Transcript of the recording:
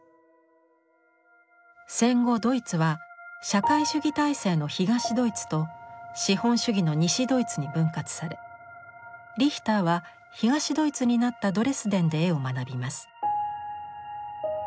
戦後ドイツは社会主義体制の東ドイツと資本主義の西ドイツに分割されリヒターは東ドイツになったドレスデンで絵を学びます。